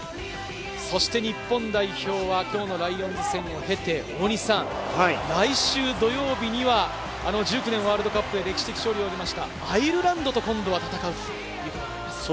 そして日本代表は今日のライオンズ戦を経て、来週土曜日には、１９年ワールドカップで歴史的勝利を挙げましたアイルランドと対戦するという。